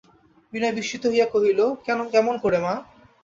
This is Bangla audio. বিনয় বিস্মিত হইয়া কহিল, কেমন করে মা?